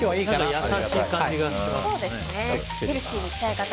優しい感じがしますね。